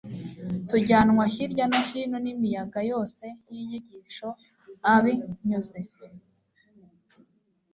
tujyanwa hirya no hino n imiyaga yose y inyigisho a binyuze